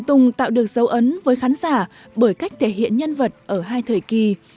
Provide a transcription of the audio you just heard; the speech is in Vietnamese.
tạo được dấu ấn với khán giả bởi cách thể hiện nhân vật ở hai thời kỳ